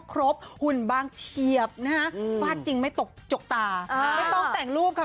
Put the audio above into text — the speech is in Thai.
หุ่นบางเฉียบนะฮะฟาดจริงไม่ตกจกตาไม่ต้องแต่งรูปค่ะ